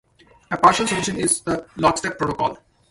A partial solution is the lockstep protocol.